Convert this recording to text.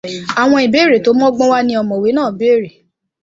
Àwọn ìbéèrè tó mọ́gbọ́n wá ni ọ̀mọ̀wé náà béèrè.